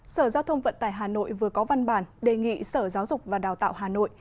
sở giao thông vận tải hà nội vừa có văn bản đề nghị sở giáo dục và đào tạo hà nội